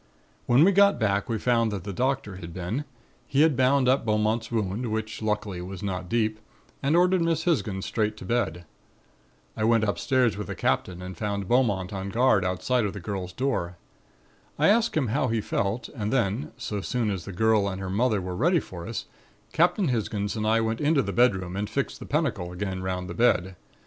"When we got back we found that the doctor had been. He had bound up Beaumont's wound, which luckily was not deep, and ordered Miss Hisgins straight to bed. I went upstairs with the Captain and found Beaumont on guard outside of the girl's door. I asked him how he felt and then, so soon as the girl and her mother were ready for us, Captain Hisgins and I went into the bedroom and fixed the pentacle again 'round the bed.